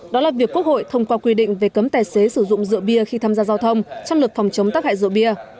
đó là việc quốc hội thông qua quy định về cấm tài xế sử dụng rượu bia khi tham gia giao thông trong luật phòng chống tắc hại rượu bia